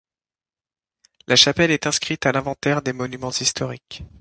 La chapelle est inscrite à l'inventaire des monuments historiques.